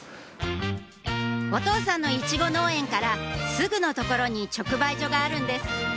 お父さんのイチゴ農園からすぐの所に直売所があるんです